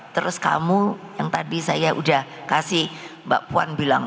terus kamu yang tadi saya udah kasih mbak puan bilang